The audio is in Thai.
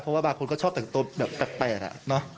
เพราะว่าบางคนก็ชอบแต่งตัวแบบแปลกอะเนาะ